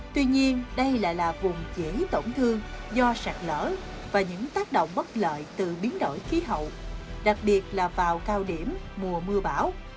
tuy nhiên đây lại là vùng dễ tổn thương do sạt lỡ và những tác động bất lợi từ biến đổi khí hậu đặc biệt là vào cao điểm mùa mưa bão